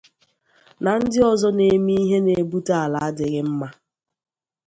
na ndị ọzọ na-eme ihe na-ebute ala adịghị mma